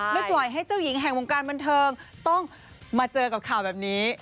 ปล่อยให้เจ้าหญิงแห่งวงการบันเทิงต้องมาเจอกับข่าวแบบนี้